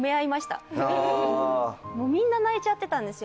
みんな泣いちゃってたんですよ